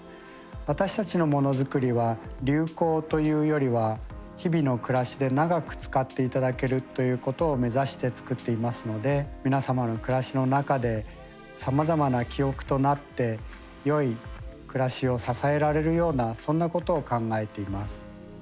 私たちのものづくりは流行というよりは日々の暮らしで長く使って頂けるということを目指して作っていますので皆様の暮らしの中でさまざまな記憶となってよい暮らしを支えられるようなそんなことを考えています。